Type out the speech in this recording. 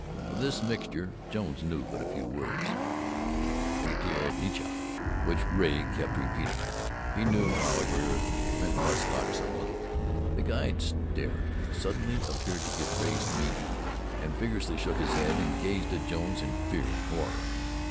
Of this mixture Jones knew but few words. "Ageter nechila," which Rea kept repeating, he knew, however, meant "musk oxen little." The guide stared, suddenly appeared to get Rea's meaning, then vigorously shook his head and gazed at Jones in fear and horror.